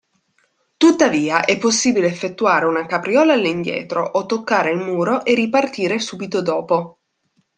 Tuttavia, è possibile effettuare una capriola all'indietro o toccare il muro e ripartire subito dopo.